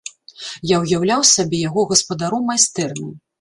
Я ўяўляў сабе яго гаспадаром майстэрні.